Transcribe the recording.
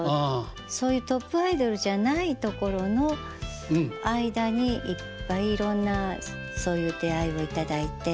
そういうトップアイドルじゃないところの間にいっぱいいろんなそういう出会いを頂いて。